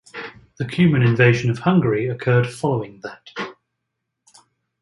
The Cuman invasion of Hungary occurred following that.